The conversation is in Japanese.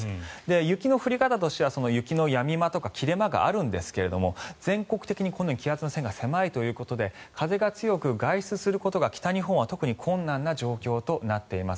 雪の降り方としては雪のやみ間とか切れ間があるんですが全国的に気圧の線が狭いということで風が強く、外出することが北日本は特に困難な状況となっています。